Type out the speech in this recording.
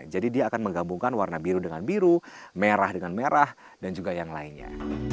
jadi dia akan menggabungkan warna biru dengan biru merah dengan merah dan juga yang lainnya